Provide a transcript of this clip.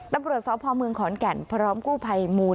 นับบริษัทพอมเมืองขอนแก่นพร้อมกู้ภัยมูล